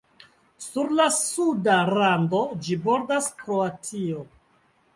Sur la suda rando, ĝi bordas Kroatio.